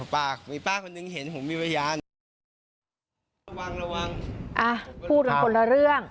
ป้ามีป้าคนหนึ่งเห็นผมมีพยานระวังระวังอ่ะพูดกันคนละเรื่อง